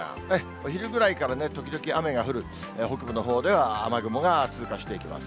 お昼ぐらいから時々、雨が降る、北部のほうでは雨雲が通過していきます。